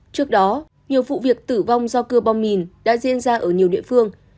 trước đó nhiều vụ việc tử vong do cưa bom mìn đã diễn ra ở nhiều địa phương